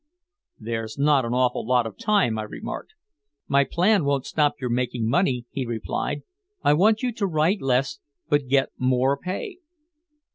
"There's not an awful lot of time," I remarked. "My plan won't stop your making money," he replied. "I want you to write less, but get more pay."